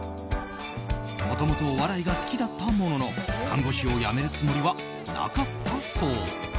もともとお笑いが好きだったものの看護師を辞めるつもりはなかったそう。